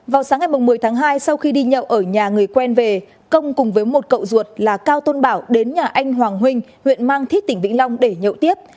vào sáng ngày một mươi tháng hai sau khi đi nhậu ở nhà người quen về công cùng với một cậu ruột là cao tôn bảo đến nhà anh hoàng huynh huyện mang thít tỉnh vĩnh long để nhậu tiếp